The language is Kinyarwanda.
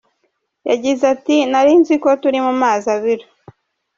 Yagize ati “Nari nziko turi mu mazi abira.